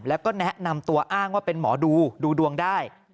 แล้วก็แนะนำตัวอ้างว่าเป็นหมอดูดูดวงได้